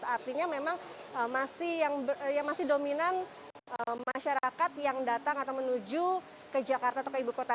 artinya memang masih dominan masyarakat yang datang atau menuju ke jakarta atau ke ibu kota